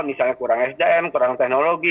misalnya kurang sdm kurang teknologi